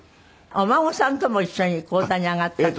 お孫さんとも一緒に高座に上がったって。